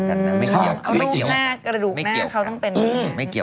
กลับมาพูดค่ะร้อเปล่าใช่ไหม